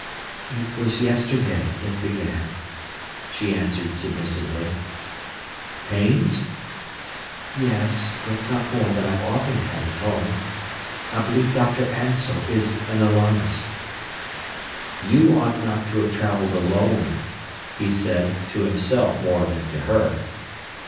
"It was yesterday it began," she answered submissively. "Pains?" "Yes; but not more than I've often had at home. I believe Dr. Ansell is an alarmist." "You ought not to have travelled alone," he said, to himself more than to her.